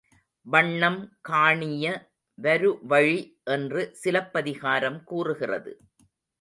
வண்ணம் காணிய வருவழி என்று சிலப்பதிகாரம் கூறுகிறது.